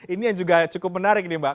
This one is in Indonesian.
ini yang cukup menarik mbak